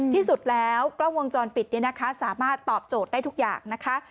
ที่สุดแล้วกล้องวงจรปิดเนี่ยนะคะสามารถตอบโจทย์ได้ทุกอย่างนะคะ